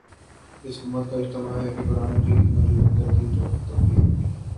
اس امت کا اجماع ہے کہ قرآن مجید کی موجودہ ترتیب توقیفی